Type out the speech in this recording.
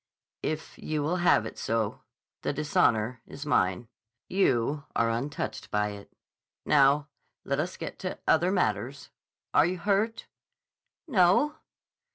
"If you will have it so. The dishonor is mine. You are untouched by it.... Now, let us get to other matters. Are you hurt?" "No."